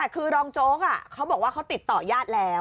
คือรองโจ๊กเขาบอกว่าเขาติดต่อญาติแล้ว